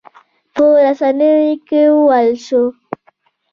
په رسنیو کې وویل شول.